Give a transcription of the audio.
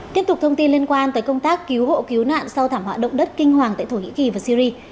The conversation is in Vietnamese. tiếp tục thông tin liên quan tới công tác cứu hộ cứu nạn sau thảm họa động đất kinh hoàng tại thổ nhĩ kỳ và syri